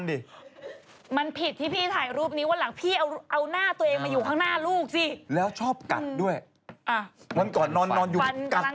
เดี๋ยวพี่มัดผมลูกสิแล้วเห็นแต่หน้าสิ